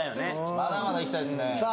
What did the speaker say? まだまだいきたいですねさあ